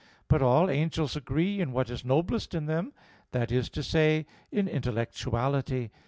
But all angels agree in what is noblest in them that is to say, in intellectuality.